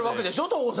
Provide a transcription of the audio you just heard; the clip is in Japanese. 当然。